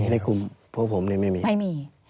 ในกลุ่มพวกผมเนี่ยไม่มี